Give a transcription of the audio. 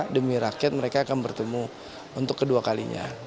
demi rakyat mereka akan bertemu untuk kedua kalinya